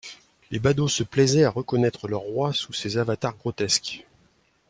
Les badauds se plaisaient à reconnaître leur roi sous ces avatars grotesques.